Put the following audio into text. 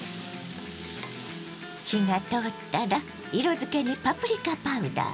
火が通ったら色づけにパプリカパウダー。